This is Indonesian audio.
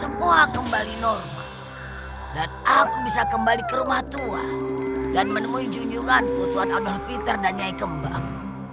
akhirnya semua kembali normal dan aku bisa kembali ke rumah tua dan menemui junjunganku tuan adolf peter dan nyai kembang